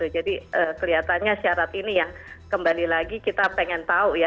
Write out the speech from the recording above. jadi kelihatannya syarat ini yang kembali lagi kita pengen tahu ya